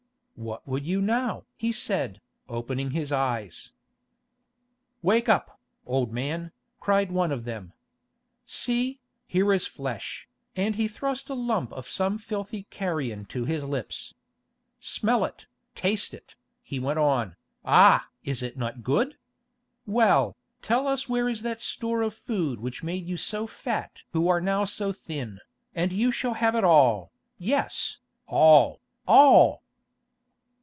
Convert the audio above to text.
"What would you now?" he said, opening his eyes. "Wake up, old man," cried one of them. "See, here is flesh," and he thrust a lump of some filthy carrion to his lips. "Smell it, taste it," he went on, "ah! is it not good? Well, tell us where is that store of food which made you so fat who now are so thin, and you shall have it all, yes, all, all."